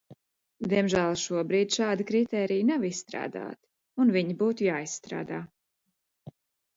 Diemžēl šobrīd šādi kritēriji nav izstrādāti, un viņi būtu jāizstrādā.